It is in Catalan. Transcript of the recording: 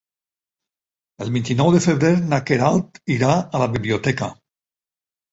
El vint-i-nou de febrer na Queralt irà a la biblioteca.